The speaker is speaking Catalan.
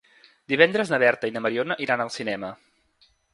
Divendres na Berta i na Mariona iran al cinema.